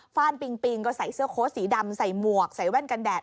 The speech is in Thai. ฟ่านปิงปิงก็ใส่เสื้อโค้ดสีดำใส่หมวกใส่แว่นกันแดด